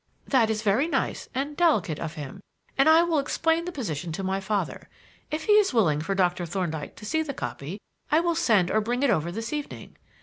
"That is very nice and delicate of him, and I will explain the position to my father. If he is willing for Doctor Thorndyke to see the copy, I will send or bring it over this evening.